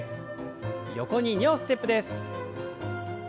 横に２歩ステップです。